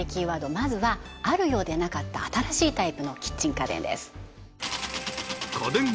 まずはあるようでなかった新しいタイプのキッチン家電です